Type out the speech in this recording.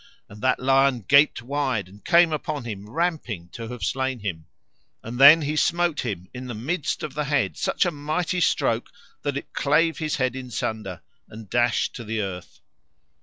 And that lion gaped wide and came upon him ramping to have slain him. And he then smote him in the midst of the head such a mighty stroke that it clave his head in sunder, and dashed to the earth.